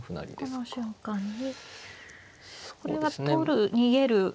この瞬間にこれは取る逃げる。